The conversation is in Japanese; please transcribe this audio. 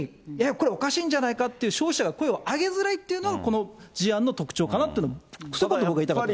これおかしいんじゃないかっていう声を上げづらいっていうのが、この事案の特徴かなと、ひと言僕が言いたかったのは。